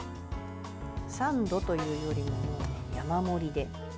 サンドというよりも山盛りで。